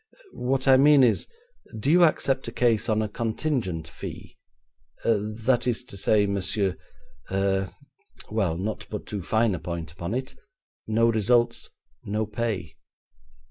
'What I mean is, do you accept a case on a contingent fee? That is to say, monsieur er well, not to put too fine a point upon it, no results, no pay.'